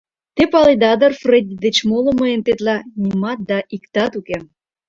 Те паледа дыр, Фредди деч моло мыйын тетла нимат да иктат уке.